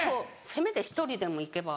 せめて１人でも行けば。